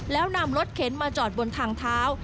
แล้วนำรถเข็นมาจอดบนทางเท้า